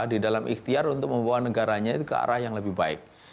di dalam ikhtiar untuk membawa negaranya itu ke arah yang lebih baik